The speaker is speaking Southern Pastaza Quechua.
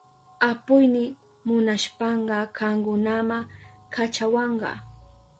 Apuyni munashpanka kankunama kachawanka.